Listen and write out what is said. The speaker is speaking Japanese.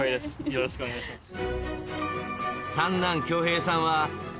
よろしくお願いします。